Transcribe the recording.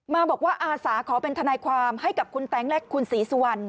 มาบอกว่าอาสาขอเป็นทนายความให้กับคุณแต๊งและคุณศรีสุวรรณ